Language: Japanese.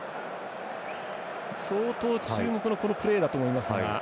相当注目のプレーだと思いますが。